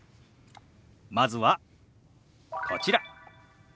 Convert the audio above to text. まずはこちら。